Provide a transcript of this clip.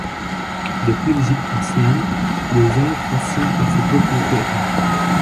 Depuis l’Égypte ancienne, le verre fascine par ses propriétés étranges.